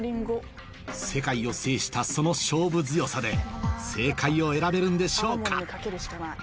世界を制したその勝負強さで正解を選べるんでしょうか？